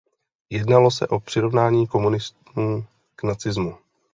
Jednalo se o přirovnání komunismu k nacismu.